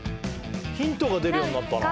ヒントが出るようになったな。